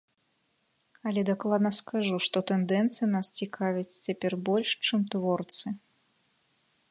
Але дакладна скажу, што тэндэнцыі нас цікавяць цяпер больш, чым творцы.